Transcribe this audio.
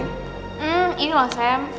hmm ini loh sam